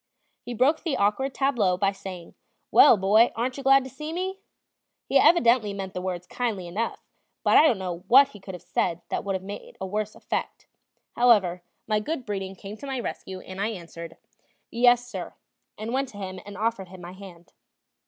He broke the awkward tableau by saying: "Well, boy, aren't you glad to see me?" He evidently meant the words kindly enough, but I don't know what he could have said that would have had a worse effect; however, my good breeding came to my rescue, and I answered: "Yes, sir," and went to him and offered him my hand.